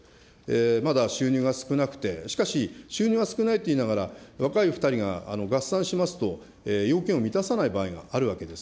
まだ収入が少なくて、しかし、収入は少ないといいながら、若い２人が合算しますと、要件を満たさない場合があるわけです。